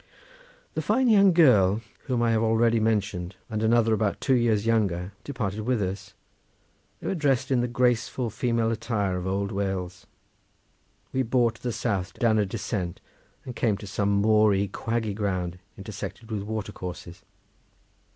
The fine young girl, whom I have already mentioned, and another about two years younger, departed with us. They were dressed in the graceful female attire of old Wales. We bore to the south down a descent, and came to some moory quaggy ground intersected with watercourses.